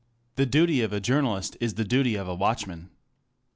The duty of a journalist is the duty of a watchman.